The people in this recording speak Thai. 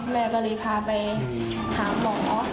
แม่ก็เลยพาไปหาหมอ